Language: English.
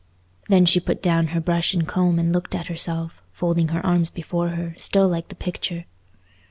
Then she put down her brush and comb and looked at herself, folding her arms before her, still like the picture.